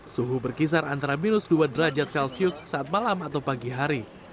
suhu berkisar antara minus dua derajat celcius saat malam atau pagi hari